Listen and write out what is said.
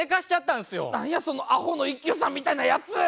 何やそのアホの一休さんみたいなやつ！